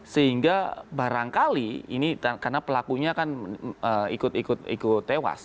sehingga barangkali ini karena pelakunya kan ikut ikut tewas